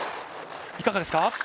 いかがですか？